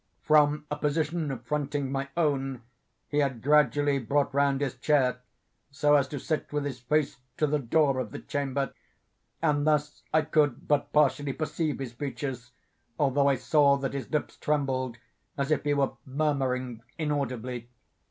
From a position fronting my own, he had gradually brought round his chair, so as to sit with his face to the door of the chamber; and thus I could but partially perceive his features, although I saw that his lips trembled as if he were murmuring inaudibly.